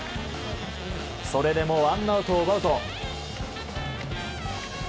それでもワンアウトを奪うと。